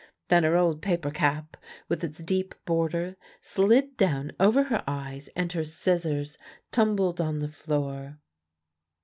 Then her old paper cap, with its deep border, slid down over her eyes, and her scissors tumbled on the floor.